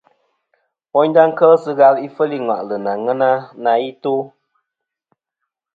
Woynda kel sɨ ghal ifel i ŋwà'lɨ nɨ aŋen na i to.